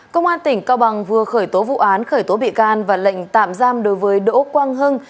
công an tỉnh cao bằng vừa khởi tố vụ án khởi tố bị can và lệnh tạm giam đối với đỗ quang hưng